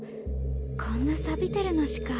こんなさびてるのしか。